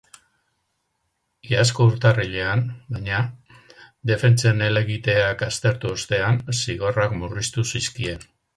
Iazko urtarrilean, baina, defentsen helegiteak aztertu ostean, zigorrak murriztu zizkien.